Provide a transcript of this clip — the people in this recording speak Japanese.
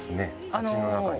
鉢の中に。